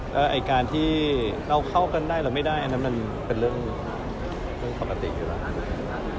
แล้วไอ้การที่เราเข้ากันได้เราไม่ได้อันนั้นมันเป็นเรื่องปกติอยู่แล้ว